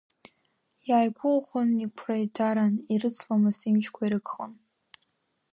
Иааиқәыӷәӷәон иқәра еидаран, ирыцломызт, имчқәа ирыгхон.